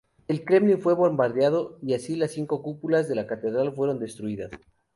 El kremlin fue bombardeado y así las cinco cúpulas de la catedral fueron destruidas.